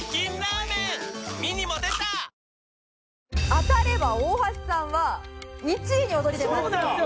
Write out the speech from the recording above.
当たれば大橋さんは１位に躍り出ます。